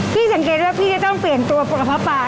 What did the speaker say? พี่สังเกตว่าพี่จะต้องเปลี่ยนตัวกระเพาะปลา